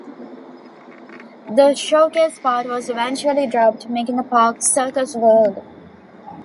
The Showcase part was eventually dropped, making the park "Circus World".